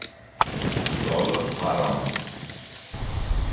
Στόλος, παρών.